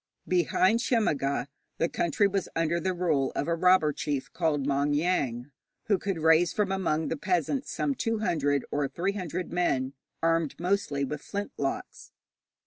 Behind Shemmaga the country was under the rule of a robber chief called Maung Yaing, who could raise from among the peasants some two hundred or three hundred men, armed mostly with flint locks.